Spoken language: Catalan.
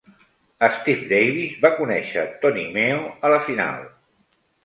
Steve Davis va conèixer Tony Meo a la final.